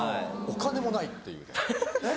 お金もないっていうね。